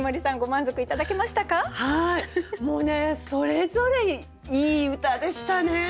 もうねそれぞれいい歌でしたね。